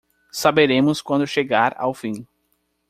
Saberemos quando chegar ao fim